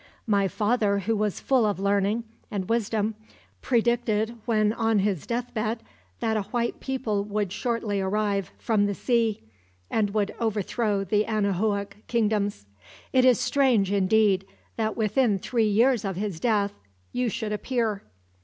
My father, who was full of learning and wisdom, predicted when on his deathbed that a white people would shortly arrive, from the sea, and would overthrow the Anahuac kingdoms. It is strange, indeed, that within three years of his death you should appear."